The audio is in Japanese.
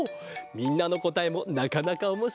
みんなのこたえもなかなかおもしろいぞ。